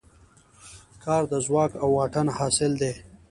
کار د ځواک او واټن حاصل دی.